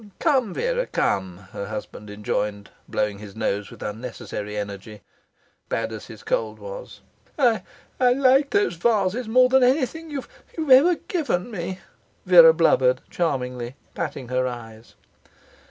'Come, Vera, come,' her husband enjoined, blowing his nose with unnecessary energy, bad as his cold was. 'I I liked those vases more than anything you've you've ever given me,' Vera blubbered, charmingly, patting her eyes.